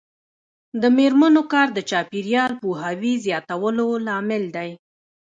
د میرمنو کار د چاپیریال پوهاوي زیاتولو لامل دی.